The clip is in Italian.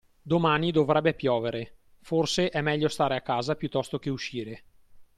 Domani dovrebbe piovere, forse è meglio stare a casa piuttosto che uscire.